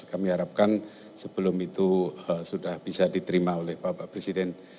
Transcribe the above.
kami harapkan sebelum itu sudah bisa diterima oleh bapak presiden